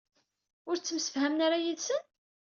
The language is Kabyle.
Ur ttemsefhamen ara yid-sent?